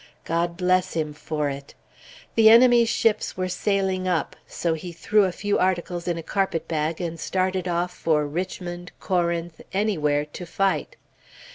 God bless him for it! The enemy's ships were sailing up; so he threw a few articles in a carpet bag and started off for Richmond, Corinth, anywhere, to fight.